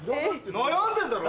悩んでんだろ！